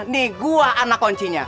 dua anak kuncinya